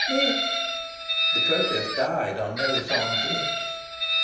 "Mais " The protest died on Melisande's lips.